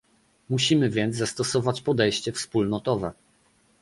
Musimy więc zastosować podejście wspólnotowe